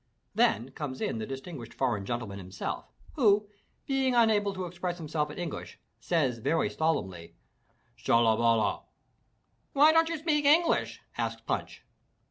Then comes in the distinguished foreign gentleman himself, who, being unable to express himself in English, says very solemnly, "Shallaballah!" "Why don't you speak English?" asks Punch.